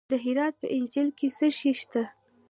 د هرات په انجیل کې څه شی شته؟